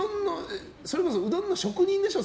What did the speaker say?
それこそうどんの職人でしょ？